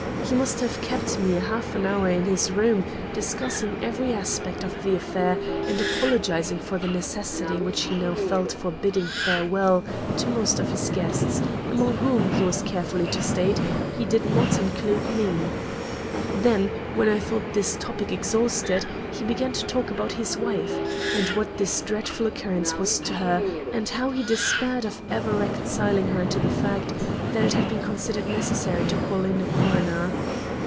He must have kept me a half hour in his room, discussing every aspect of the affair and apologizing for the necessity which he now felt for bidding farewell to most of his guests, among whom, he was careful to state, he did not include me. Then, when I thought this topic exhausted, he began to talk about his wife, and what this dreadful occurrence was to her and how he despaired of ever reconciling her to the fact that it had been considered necessary to call in a coroner.